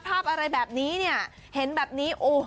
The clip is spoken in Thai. ภาพอะไรแบบนี้เนี่ยเห็นแบบนี้โอ้โห